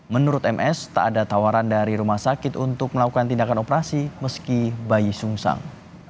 menurut ms tak ada tawaran dari rumah sakit untuk melakukan tindakan operasi meski bayi sungsang